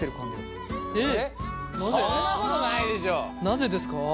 なぜですか？